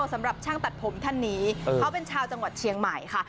สำหรับช่างตัดผมท่านนี้เขาเป็นชาวจังหวัดเชียงใหม่ค่ะ